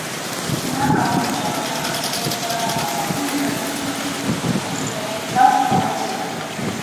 Նա կամաց ճակատը կպցրեց սառն ապակուն և այս անգամ սկսեց նայել դեպի ցած, փողոցին: